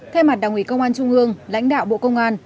thay mặt đảng ủy công an trung ương lãnh đạo bộ công an